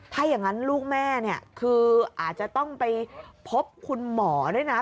ถ้าอย่างนั้นลูกแม่เนี่ยคืออาจจะต้องไปพบคุณหมอด้วยนะ